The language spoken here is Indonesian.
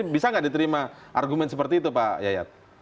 bisa nggak diterima argumen seperti itu pak yayat